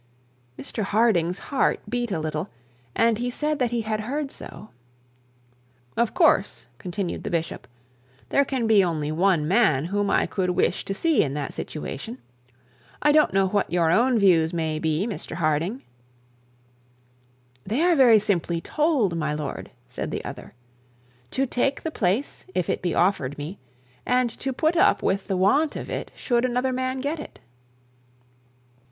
Mr Harding's heart beat a little, and he said that he had heard so. 'Of course,' continued the bishop; 'there can be only one man whom I could wish to see in that situation. I don't know what your own views may be, Mr Harding ' 'They are very simply told, my lord,' said the other; 'to take the place if it be offered me, and to put up with the want of it should another man get it.'